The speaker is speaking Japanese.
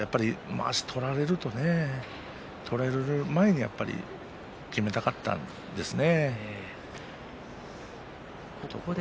まわしを取られる前にきめたかったですね。